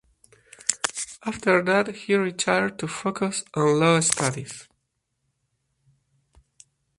After that he retired to focus on law studies.